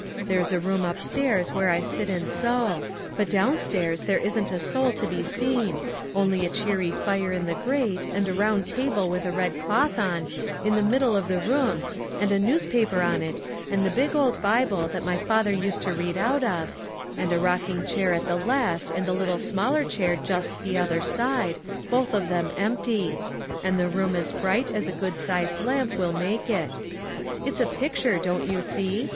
There's a room up stairs where I sit and sew ; but downstairs there isn't a soul to be seen ; only a cheery fire in the grate, and a round table with a red cloth on, in the middle of the room, and a news paper on it, and the big old Bible that my father used to read out of, and a rocking chair at the left and a little smaller chair just the other side, both of them empty; and the room as bright as a good sized lamp will make it. It's a picture, don't you see?